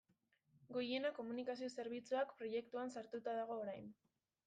Goiena Komunikazio Zerbitzuak proiektuan sartua dago orain.